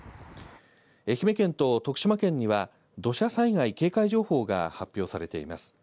愛媛県と徳島県には土砂災害警戒情報が発表されています。